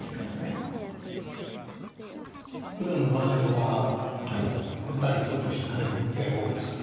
ふだんの晩酌はお二人とご一緒される機会が多いんですか？